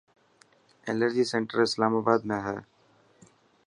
ايلرجي سينٽر اسلامآباد ۾ هي.